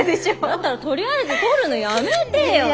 だったらとりあえず撮るのやめてよ。